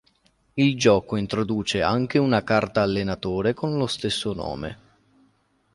Il gioco introduce anche una carta Allenatore con lo stesso nome.